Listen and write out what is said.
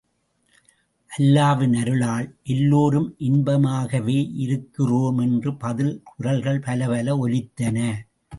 அல்லாவின் அருளால் எல்லோரும் இன்பமாகவே இருக்கிறோம்! என்று பதில் குரல்கள் பலப்பல ஒலித்தன.